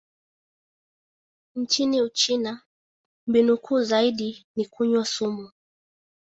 Nchini Uchina, mbinu kuu zaidi ni kunywa sumu.